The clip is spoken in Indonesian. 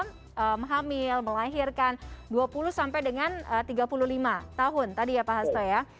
hamil melahirkan dua puluh sampai dengan tiga puluh lima tahun tadi ya pak hasto ya